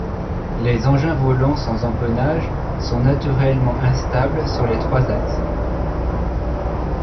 Les engins volants sans empennages sont naturellement instables sur les trois axes.